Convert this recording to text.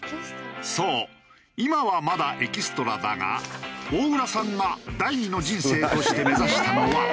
そう今はまだエキストラだが大浦さんが第２の人生として目指したのは役者。